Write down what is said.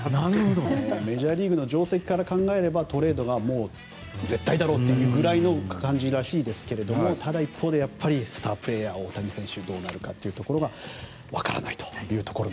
メジャーリーグの定石から考えればトレードがもう絶対だろうというぐらいの感じらしいですがただ、一方でスタープレーヤー大谷選手がどうなるか分からないと。